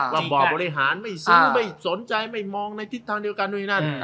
ก็บอกบริหารไม่สนใจไม่มองในทิศทางเดียวกัน